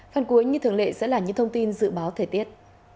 phần cuối như thường lệ sẽ là những thông tin dự báo thời tiết